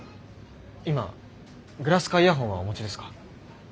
今グラスかイヤホンはお持ちですか？